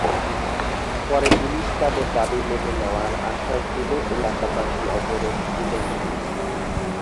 পরে পুলিশ তাঁদের দাবি মেনে নেওয়ার আশ্বাস দিলে এলাকাবাসী অবরোধ তুলে নেন।